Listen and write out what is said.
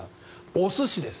お寿司です。